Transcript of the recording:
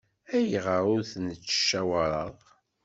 Ayɣer ur t-nettcawaṛ?